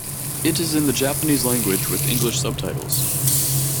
It is in the Japanese language with English subtitles.